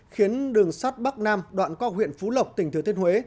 khiến đường sắt bắc nam đoạn qua huyện phú lộc tỉnh thừa thiên huế